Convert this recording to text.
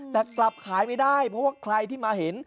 แต่กลับขายไม่ได้เพราะว่าใครที่มาเห็น